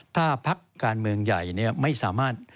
ถ้าพักการเมืองใหญ่ไม่สามารถ